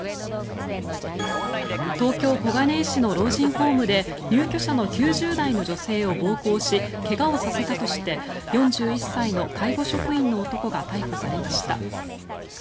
東京・小金井市の老人ホームで入居者の９０代の女性を暴行し怪我をさせたとして４１歳の介護職員の男が逮捕されました。